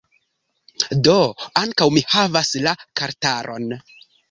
Do, ankaŭ mi havas la kartaron